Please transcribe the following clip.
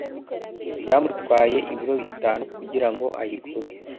Byamutwaye ibiro bitanu kugirango ayigure.